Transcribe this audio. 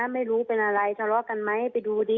ไม่รู้เป็นอะไรทะเลาะกันไหมไปดูดิ